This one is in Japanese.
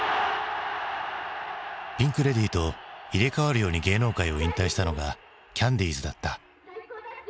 ピンク・レディーと入れ代わるように芸能界を引退したのがキャンディーズだった。